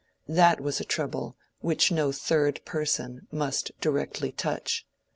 That was a trouble which no third person must directly touch.